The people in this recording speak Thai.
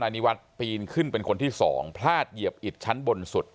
นิวัฒน์ปีนขึ้นเป็นคนที่๒พลาดเหยียบอิดชั้นบนสุด